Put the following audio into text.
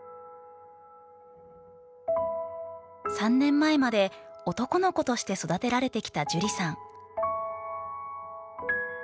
３年前まで男の子として育てられてきた樹里さん。